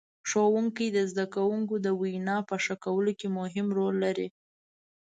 ښوونکي د زدهکوونکو د وینا په ښه کولو کې مهم رول لري.